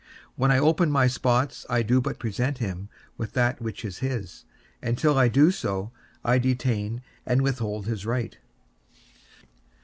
When I open my spots I do but present him with that which is his; and till I do so, I detain and withhold his right.